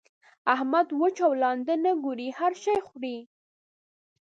احمد؛ وچ او لانده نه ګوري؛ هر شی خوري.